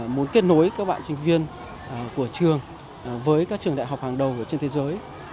muốn kết nối các bạn sinh viên của trường với các trường đại học hàng đầu trên thế giới